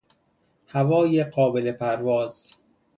هوای قابل پرواز